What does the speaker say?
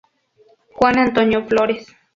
Juan Antonio Flores.